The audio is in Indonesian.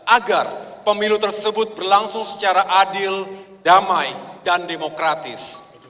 agar pemilu tersebut berlangsung secara adil damai dan demokratis